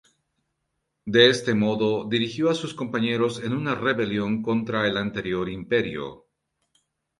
De este modo, dirigió a sus compañeros en una rebelión contra el anterior imperio.